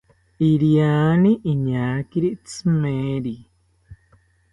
Iriani iñakiri tzimeri